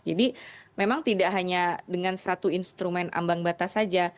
memang tidak hanya dengan satu instrumen ambang batas saja